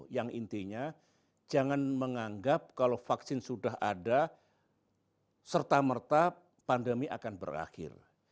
yang intinya jangan menganggap kalau vaksin sudah ada serta merta pandemi akan berakhir